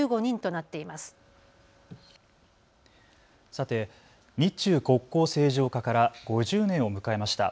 さて日中国交正常化から５０年を迎えました。